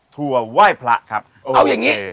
ทัวร์ไหว้พระครับเอาอย่างนี้